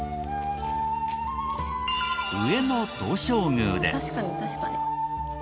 上野東照宮です。